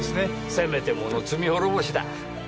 せめてもの罪滅ぼしだ。